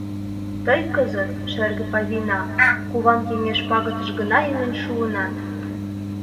— Тый кызыт, шерге павайна, куван кеҥеж пагытыш гына илен шуынат.